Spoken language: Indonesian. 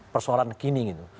persoalan kini gitu